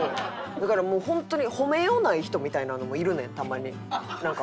だからもう本当に褒めようない人みたいなのもいるねんたまに。